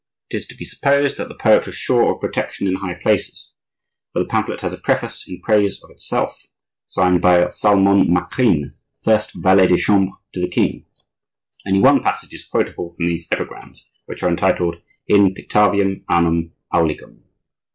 It is to be supposed that the poet was sure of protection in high places, for the pamphlet has a preface in praise of itself, signed by Salmon Macrin, first valet de chambre to the king. Only one passage is quotable from these epigrams, which are entitled: IN PICTAVIAM, ANAM AULIGAM.